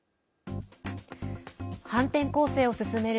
反転攻勢を進める